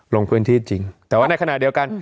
ลงพื้นที่จริงแต่ว่าในขณะเดียวกัน